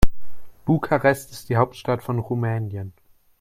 Bukarest ist die Hauptstadt von Rumänien.